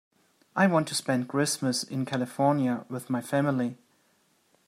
I want to spend Christmas in California with my family.